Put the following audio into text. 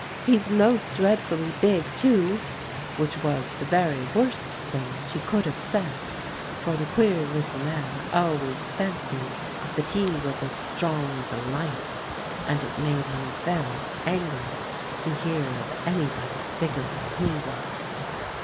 'He's most dreadfully big too,' which was the very worst thing she could have said; for the queer little man always fancied that he was as strong as a lion, and it made him very angry to hear of anybody bigger than he was.